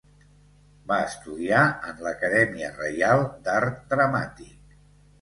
Va estudiar en l'Acadèmia Reial d'Art Dramàtic.